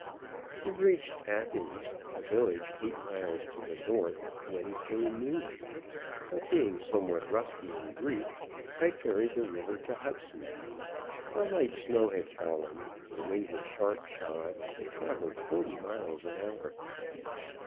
We reached Athens, a village eight miles to the north, Wednesday noon, but being somewhat rusty in Greek, I ferried the river to Hudson. A light snow had fallen; the wind was sharp shod, and traveled forty miles an hour.